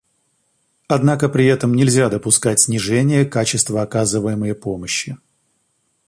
Однако при этом нельзя допускать снижения качества оказываемой помощи.